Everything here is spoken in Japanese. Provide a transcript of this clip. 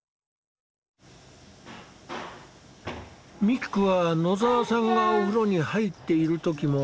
ミックは野澤さんがお風呂に入っている時も